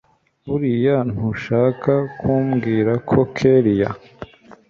buriya ntushaka kumbwira ko kellia